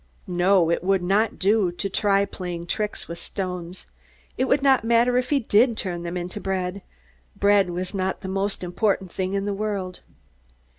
_" No, it would not do to try playing tricks with stones. It would not matter if he did turn them into bread. Bread was not the most important thing in the world.